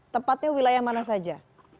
tepatnya wilayah mana saja